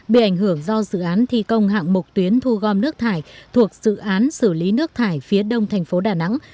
bị ảnh hưởng do dự án thi công hạng mục tuyến thu gom nước thải thuộc dự án xử lý nước thải phía đông thành phố đà nẵng